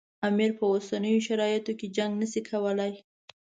امیر په اوسنیو شرایطو کې جنګ نه شي کولای.